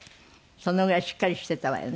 そのぐらいしっかりしてたわよね。